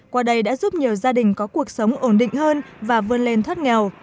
qua đây đã giúp nhiều gia đình có cuộc sống ổn định hơn và vươn lên thoát nghèo